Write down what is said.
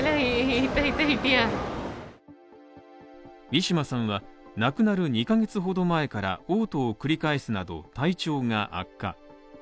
ウィシュマさんは、亡くなる２ヶ月ほど前から嘔吐を繰り返すなど体調が悪化。